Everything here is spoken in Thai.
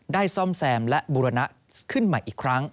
ซ่อมแซมและบุรณะขึ้นใหม่อีกครั้ง